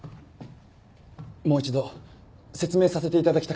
もう一度説明させていただきたくて。